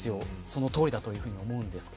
そのとおりだと思うんですが。